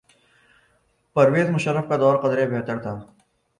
پرویز مشرف کا دور قدرے بہتر تھا۔